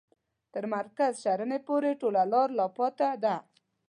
تر مرکز شرنې پوري ټوله لار لا پاته ده.